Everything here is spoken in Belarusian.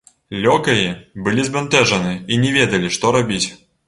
Лёкаі былі збянтэжаны і не ведалі, што рабіць.